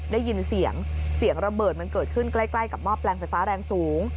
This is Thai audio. ได้ยินเสียงเสียงระเบิดมันเกิดขึ้นใกล้กับหม้อแปลงไฟฟ้าแรงสูง